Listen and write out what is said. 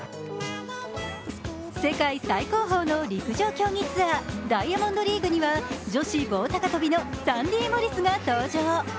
世界最高峰の陸上競技ツアー、ダイヤモンドリーグには女子棒高跳びのサンディ・モリスが登場。